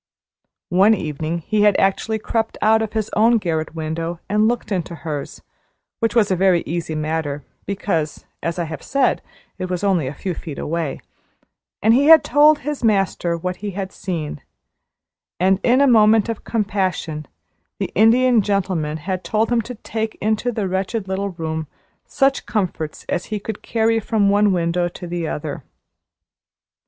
One evening he had actually crept out of his own garret window and looked into hers, which was a very easy matter, because, as I have said, it was only a few feet away and he had told his master what he had seen, and in a moment of compassion the Indian Gentleman had told him to take into the wretched little room such comforts as he could carry from the one window to the other.